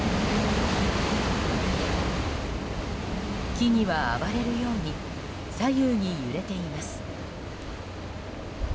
木々は暴れるように左右に揺れています。